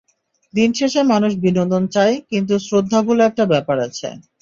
দিন শেষে মানুষ বিনোদন চায়, কিন্তু শ্রদ্ধা বলে একটা ব্যাপার আছে।